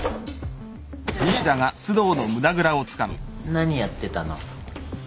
何やってたの？